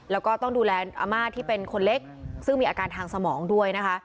แล้วก็ต้องดูแลอาม่าที่เป็นคนเล็กซึ่งมีอาการทางสมองด้วยนะคะ